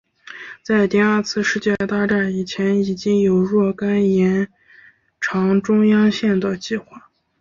在第二次世界大战以前已经有若干延长中央线的计划。